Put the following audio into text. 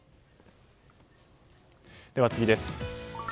では次です。